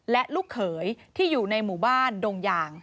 และลูกเขยที่อยู่ในหมู่บ้านดงยาง